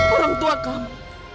orang tua kamu